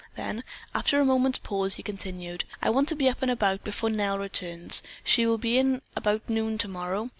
Then, after a moment's pause, he continued: "I want to be up and about before Nell returns. She will be in about noon tomorrow.